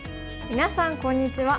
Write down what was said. みなさんこんにちは。